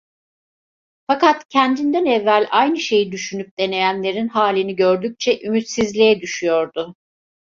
Fakat kendinden evvel aynı şeyi düşünüp deneyenlerin halini gördükçe ümitsizliğe düşüyordu.